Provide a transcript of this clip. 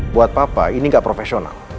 buat papa ini nggak profesional